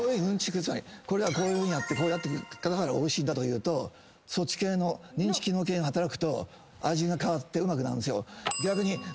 これはこういうふうにやってこうやってるからおいしいんだというとそっち系の認知機能系が働くと味が変わってうまくなるんです。